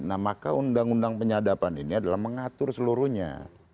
nah maka undang undang penyadapan ini adalah mengatur seluruhnya